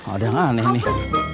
ada yang aneh nih